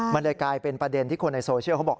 มันเลยกลายเป็นประเด็นที่คนในโซเชียลเขาบอก